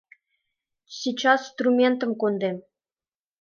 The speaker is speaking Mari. Сейчас струментым кондем.